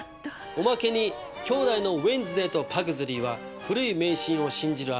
おまけにきょうだいのウェンズデーとパグズリーは古い迷信を信じる